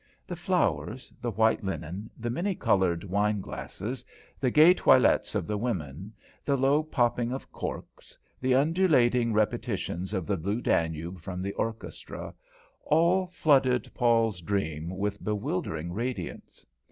The flowers, the white linen, the many coloured wine glasses, the gay toilettes of the women, the low popping of corks, the undulating repetitions of the Blue Danube from the orchestra, all flooded Paul's dream with bewildering radiance.